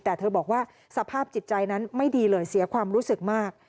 แต่เธอบอกว่าสภาพจิตใจนั้นไม่ดีเลยเสียความรู้สึกมาก